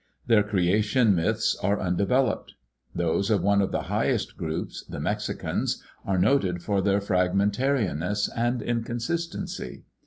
Their creation myths are undeveloped. Those of one of the highest groups, the Mexicans, are noted for their fragmentariness and inconsistency.